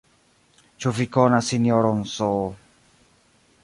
Ĉu vi konas Sinjoron S.